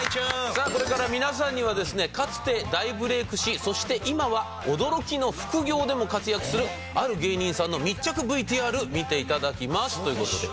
さあこれから皆さんにはですねかつて大ブレイクしそして今は驚きの副業でも活躍するある芸人さんの密着ＶＴＲ見て頂きますという事で。